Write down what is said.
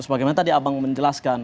sebagaimana tadi abang menjelaskan